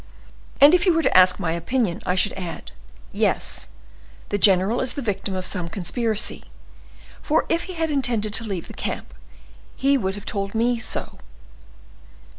And if you were to ask my opinion, I should add: 'Yes, the general is the victim of some conspiracy, for, if he had intended to leave the camp he would have told me so.